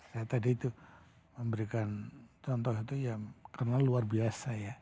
saya tadi itu memberikan contoh itu ya karena luar biasa ya